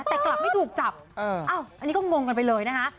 แต่กลับไม่ถูกจับอันนี้ก็งงกันไปเลยนะคะ